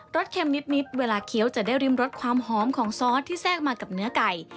สเค็มนิดเวลาเคี้ยวจะได้ริมรสความหอมของซอสที่แทรกมากับเนื้อไก่